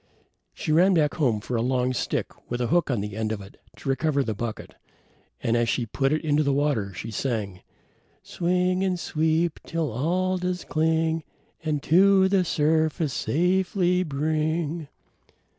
She ran back home for a long stick with a hook at the end of it to recover the bucket, and as she put it into the water she sang: Swing and sweep till all does cling And to the surface safely bring.